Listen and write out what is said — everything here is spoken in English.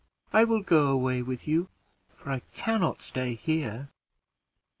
I will go away with you, for I can not stay here."